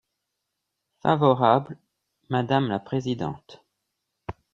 Favorable, madame la présidente.